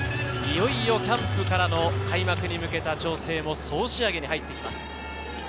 いよいよキャンプからの開幕に向けた調整も総仕上げに入ってきます。